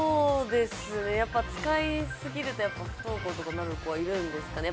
使いすぎると不登校とかになる子はいるんですかね。